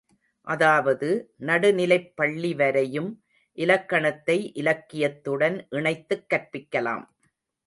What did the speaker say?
அதாவது, நடு நிலைப் பள்ளிவரையும் இலக்கணத்தை இலக்கியத்துடன் இணைத்துக் கற்பிக்கலாம்.